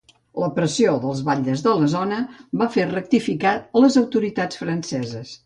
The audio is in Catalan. La pressió dels batlles de la zona va fer rectificar les autoritats franceses.